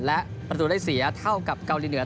และประตูได้เสียเท่ากับเกาหลีเหนือ